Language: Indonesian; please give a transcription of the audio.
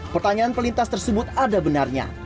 pertanyaan pelintas tersebut ada benarnya